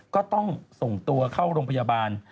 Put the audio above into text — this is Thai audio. ก็ต้องส่งตัวเข้าโรงพยาบาล